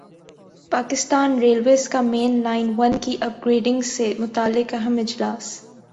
Pakistan railways کا main line one کی upgradation سے متعلق اہم اجلاس